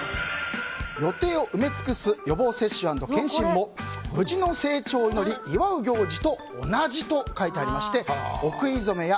予定を埋め尽くす予防接種＆健診も無事の成長を祈り祝う行事と同じと書いてありまして。